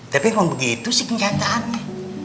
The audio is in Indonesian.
tapi kalau begitu sih kenyataannya